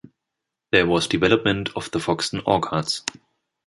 There was "development of the Foxton orchards".